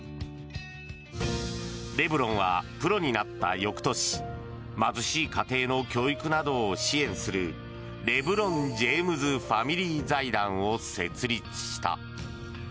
レブロンはプロになった翌年貧しい家庭の教育などを支援するレブロン・ジェームズ・ファミリー財団を設立した。